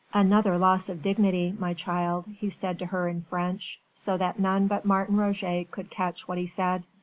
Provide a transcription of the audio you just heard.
"Another loss of dignity, my child," he said to her in French, so that none but Martin Roget could catch what he said.